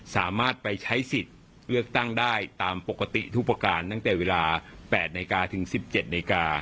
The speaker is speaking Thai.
สามารถไปใช้สิทธิ์เลือกตั้งได้ตามปกติทุกประการตั้งแต่เวลา๘นาฬิกาถึง๑๗นาฬิกา